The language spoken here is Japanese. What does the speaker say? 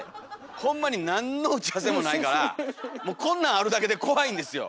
ホンマに何の打ち合わせもないからもうこんなんあるだけで怖いんですよ。